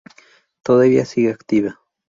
Todavía sigue activa.